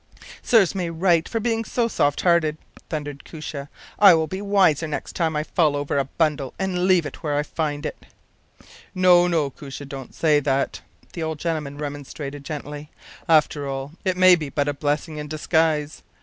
“Serves me right for being so soft hearted!” thundered Koosje. “I’ll be wiser next time I fall over a bundle, and leave it where I find it.” “No, no, Koosje; don’t say that,” the old gentleman remonstrated, gently. “After all, it may be but a blessing in disguise.